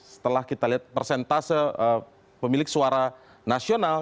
setelah kita lihat persentase pemilik suara nasional